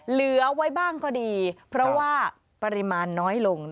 เหลือไว้บ้างก็ดีเพราะว่าปริมาณน้อยลง